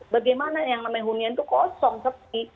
bagaimana yang namanya hunian itu kosong sepi